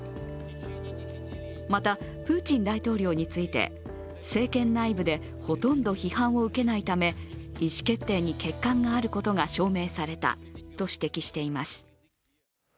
また、プーチン大統領について政権内部でほとんど批判を受けないため、意思決定に欠陥があることが証明されたと指摘しています。